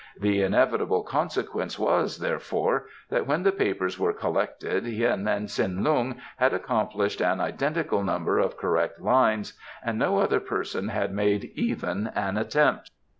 The inevitable consequence was, therefore, that when the papers were collected Hien and Tsin Lung had accomplished an identical number of correct lines and no other person had made even an attempt.